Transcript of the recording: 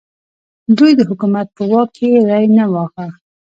دوی د حکومت په واک کې ری نه واهه.